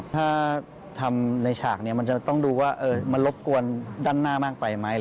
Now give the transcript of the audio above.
ถ้าทำในฉากนี้มันจะต้องดูว่ามันรบกวนด้านหน้ามากไปไหม